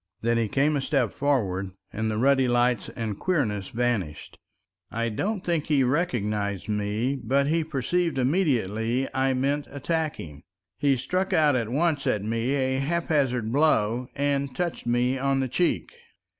Then he came a step forward, and the ruddy lights and queerness vanished. I don't think he recognized me, but he perceived immediately I meant attacking. He struck out at once at me a haphazard blow, and touched me on the cheek.